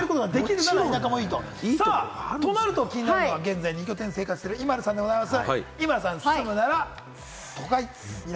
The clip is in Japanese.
となると気になるのは現在２拠点生活をしているＩＭＡＬＵさんでございます。